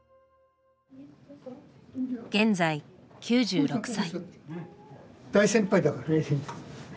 現在９６歳。